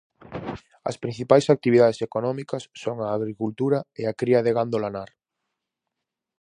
As principais actividades económicas son a agricultura e a cría de gando lanar.